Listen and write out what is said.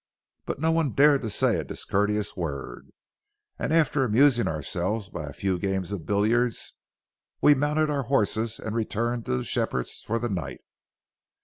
But no one dared to say a discourteous word, and after amusing ourselves by a few games of billiards, we mounted our horses and returned to Shepherd's for the night.